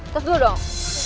tes dulu dong